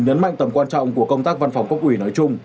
nhấn mạnh tầm quan trọng của công tác văn phòng quốc ủy nói chung